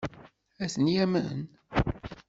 Ad t-yamen?